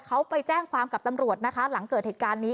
เขาไปแจ้งความกับตำรวจนะคะหลังเกิดเหตุการณ์นี้